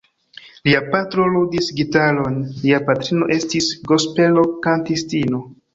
Lia patro ludis gitaron, lia patrino estis gospelo-kantistino.